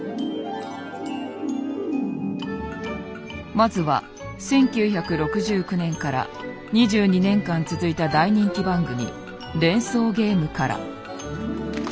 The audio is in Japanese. まずは１９６９年から２２年間続いた大人気番組「連想ゲーム」から。